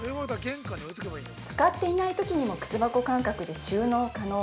◆使っていないときにも靴箱感覚で収納可能。